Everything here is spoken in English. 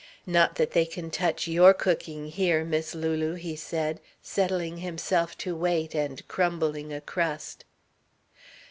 "Not that they can touch your cooking here, Miss Lulu," he said, settling himself to wait, and crumbling a crust.